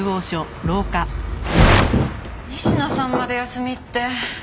仁科さんまで休みって。